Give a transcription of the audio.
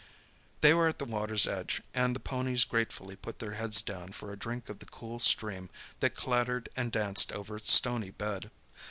They were at the water's edge, and the ponies gratefully put their heads down for a drink of the cool stream that clattered and danced over its stony bed.